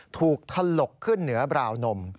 ถูกถลกขึ้นเหนือบราวนม